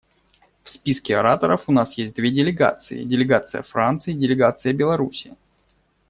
В списке ораторов у нас есть две делегации: делегация Франции и делегация Беларуси.